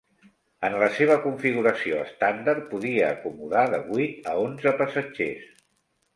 En la seva configuració estàndard podia acomodar de vuit a onze passatgers.